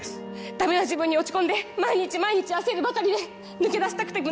ダメな自分に落ち込んで毎日毎日焦るばかりで抜け出したくても抜け出せない。